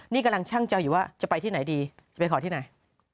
นี่กำลังช่างเจ้าอยู่ว่าจะไปที่ไหนดีจะไปขอที่ไหน